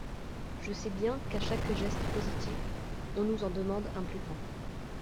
Je sais bien qu’à chaque geste positif, on nous en demande un plus grand.